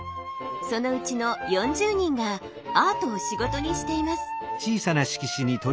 そのうちの４０人がアートを仕事にしています。